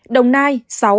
đồng nai sáu